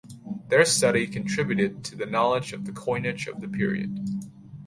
Their study contributed to the knowledge of the coinage of the period.